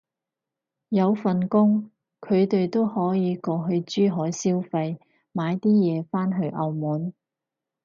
有份工，佢哋都可以過去珠海消費買啲嘢返去澳門